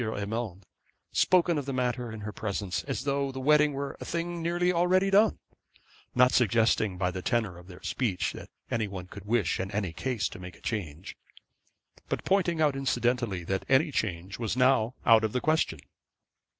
Urmand, spoken of the matter in her presence, as though the wedding were a thing already nearly done; not suggesting by the tenor of their speech that any one could wish in any case to make a change, but pointing out incidentally that any change was now out of the question.